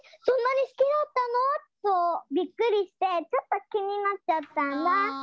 そんなに好きだったの？とびっくりしてちょっときになっちゃったんだ。